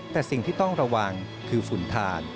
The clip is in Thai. แต่สิ่งที่ต้องระวังคือฝุ่นทาน